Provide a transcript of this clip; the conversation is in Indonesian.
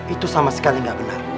itu sama sekali tidak benar